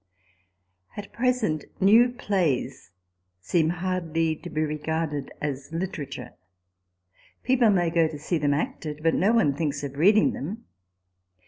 > At present new plays seem hardly to be regarded as literature ; people may go to see them acted, but no one thinks of reading them.